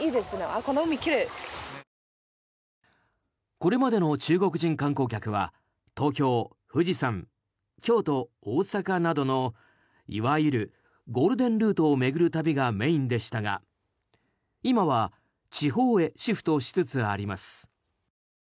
これまでの中国人観光客は東京、富士山、京都、大阪などのいわゆるゴールデンルートを巡る旅がメインでしたが今は地方へシフトしつつあります。